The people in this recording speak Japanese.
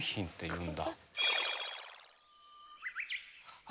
うん！